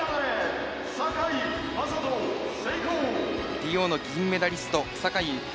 リオの銀メダリスト、坂井。